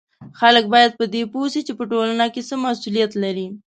خلک باید په دې پوه سي چې په ټولنه کې څه مسولیت لري